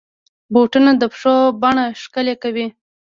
بوټونه د پښو بڼه ښکلي کوي.